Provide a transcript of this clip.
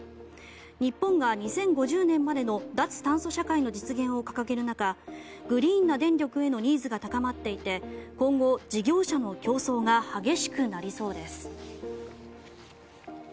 日本が２０５０年までの脱炭素社会の実現を掲げる中グリーンな電力へのニーズが高まっていて今後、事業者の競争が激しくなりそうです。